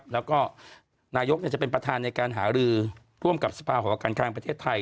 แล้วก็นายกจะเป็นประธานในการหารือร่วมกับสภาหอการคลังประเทศไทย